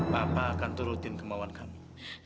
bapak akan turutin kemauan kami